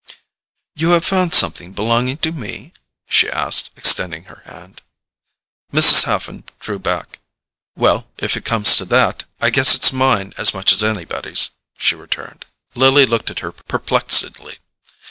"You have found something belonging to me?" she asked, extending her hand. Mrs. Haffen drew back. "Well, if it comes to that, I guess it's mine as much as anybody's," she returned. Lily looked at her perplexedly.